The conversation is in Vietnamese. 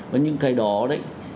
và những cái đó đấy